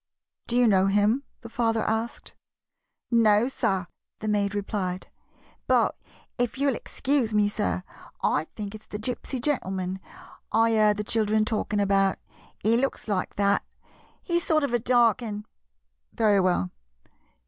" Do you know him ?" the father asked. " No, sir," the maid replied ;" but, if you 'll excuse me, sir, I think it 's the Gypsy gentleman I heard the children talking about. He looks like that. He is sort of a dark, and —•"" Very well.